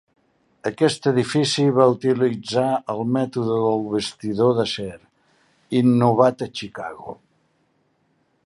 Aquest edifici va utilitzar el mètode del bastidor d'acer, innovat a Chicago.